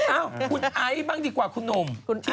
เอ้าคุณไอซ์บ้างดีกว่าคุณหนุ่ม